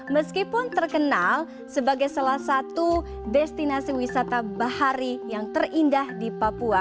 meskipun terkenal sebagai salah satu destinasi wisata bahari yang terindah di papua